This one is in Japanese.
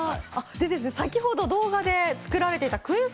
先ほど動画で作られていたクエン